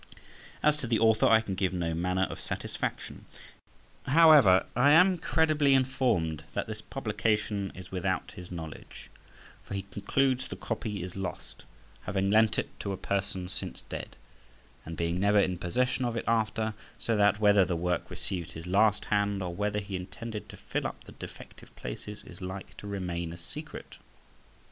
As to the Author, I can give no manner of satisfaction. However, I am credibly informed that this publication is without his knowledge, for he concludes the copy is lost, having lent it to a person since dead, and being never in possession of it after; so that, whether the work received his last hand, or whether he intended to fill up the defective places, is like to remain a secret.